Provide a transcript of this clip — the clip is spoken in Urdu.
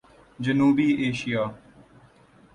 جنوبی ایشیا